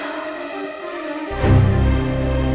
nanti kita ke rumah